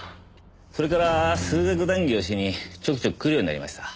それから数学談議をしにちょくちょく来るようになりました。